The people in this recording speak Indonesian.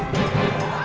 ngapain dengan allah